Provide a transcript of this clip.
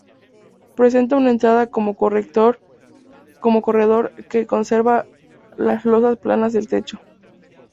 Presenta una entrada con corredor, que conserva las losas planas del techo.